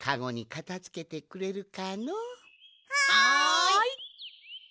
はい。